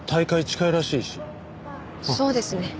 そうですね。